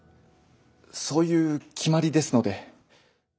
そういう決まりですので。